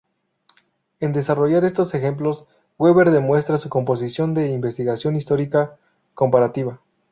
En desarrollar estos ejemplos, Weber demuestra su comprensión de investigación histórica comparativa.